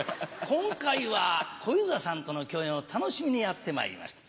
今回は小遊三さんとの共演を楽しみにやってまいりました。